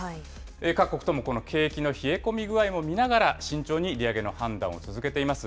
各国ともこの景気の冷え込み具合を見ながら慎重に利上げの判断を続けています。